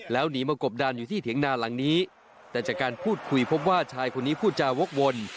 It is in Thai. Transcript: แล้วหนีมากบดานอยู่ที่เถียงนาหลังนี้แต่จากการพูดคุยพบว่าชายคนนี้พูดจาวกวน